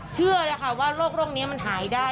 เชื่อนะคะว่าโรคนี้มันหายได้